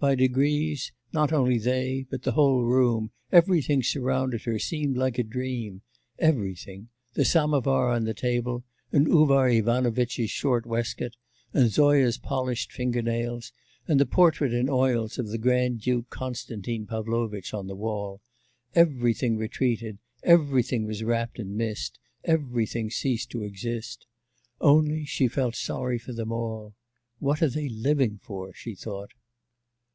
By degrees, not only they, but the whole room, everything surrounding her, seemed like a dream everything: the samovar on the table, and Uvar Ivanovitch's short waistcoat, and Zoya's polished finger nails, and the portrait in oils of the Grand Duke Constantine Pavlovitch on the wall; everything retreated, everything was wrapped in mist, everything ceased to exist. Only she felt sorry for them all. 'What are they living for?' she thought.